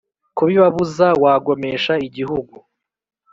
kubibabuza wagomesha igihugu